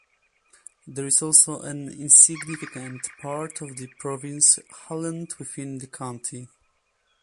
There is also an insignificant part of the province Halland within the county.